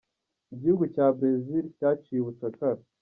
Igihugu cya Brazil cyaciye ubucakara.